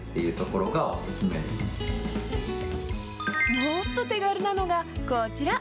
もっと手軽なのがこちら。